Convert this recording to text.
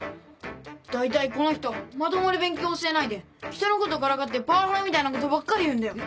大体この人まともに勉強教えないでひとのことからかってパワハラみたいなことばっかり言うんだよ。